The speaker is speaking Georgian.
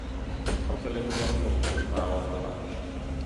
გავრცელებულია მსოფლიოს მრავალ ქვეყანაში.